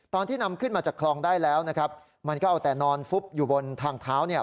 ตอนที่นำขึ้นมาจากคลองได้แล้วนะครับมันก็เอาแต่นอนฟุบอยู่บนทางเท้าเนี่ย